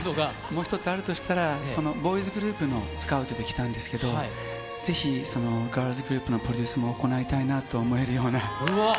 もう１つあるとしたら、ボーイズグループのスカウトで来たんですけど、ぜひガールズグループのプロデュースも行いたいなと思えるような。